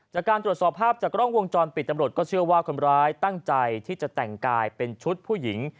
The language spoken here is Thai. จากการตรวจสอบภาพจากกล้องวงจรปิดตำรวจก็เชื่อว่าคนร้ายตั้งใจที่จะแต่งกายเป็นชุดผู้หญิง